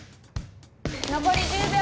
残り１０秒！